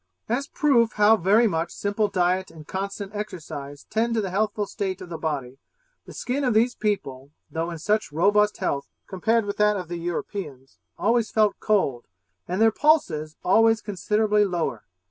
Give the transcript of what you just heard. As a proof how very much simple diet and constant exercise tend to the healthful state of the body, the skin of these people, though in such robust health, compared with that of the Europeans, always felt cold, and their pulses always considerably lower.